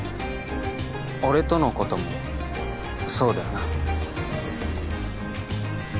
俺とのこともそうだよな？